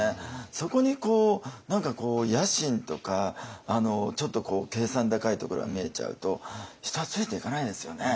そこに野心とかちょっと計算高いところが見えちゃうと人はついていかないですよね。